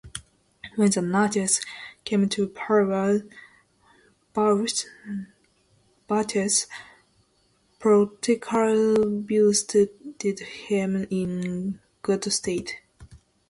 When the Nazis came to power, Bauch's political views stood him in good stead.